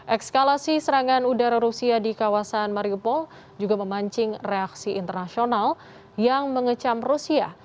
ekskalasi serangan udara rusia di kawasan mariupol juga memancing reaksi internasional yang mengecam rusia